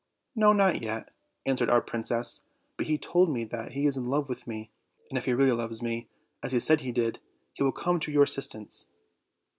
"No, not yet," answered our princess; "but he told me that^he is in love with me; and if he really loves me, as he said he did, he will come to your assistance."